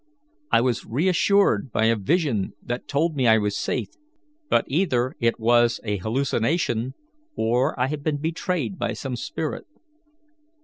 I was reassured by a vision that told me I was safe, but either it was a hallucination, or I have been betrayed by some spirit.